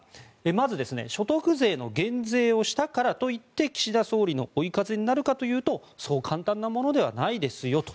まず所得税の減税をしたからといって岸田総理の追い風になるかというとそう簡単なものではないですよと。